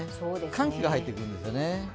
寒気が入ってくるんですよね。